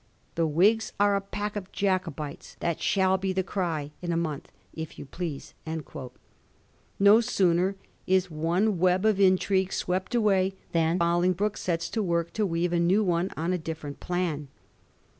The Whigs are a pack of Jacobites ; that shall be the cry in a month, if you please.' No sooner is one web of intrigue 48wept away than Bolingbroke sets to work to weave a new one on a different plan.